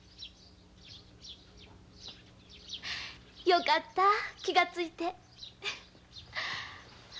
よかった気がついて。